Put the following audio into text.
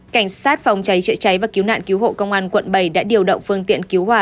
cảnh sát phòng cháy chữa cháy và cứu nạn cứu hộ công an quận bảy đã điều động phương tiện cứu hỏa